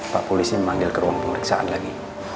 pak polisi memanggil ke ruang pemeriksaan lagi